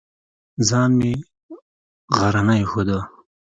ځان مې غرنی ښوده.